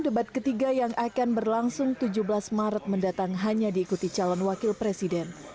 debat ketiga yang akan berlangsung tujuh belas maret mendatang hanya diikuti calon wakil presiden